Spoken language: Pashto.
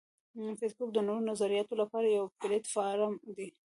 فېسبوک د نوو نظریاتو لپاره یو پلیټ فارم دی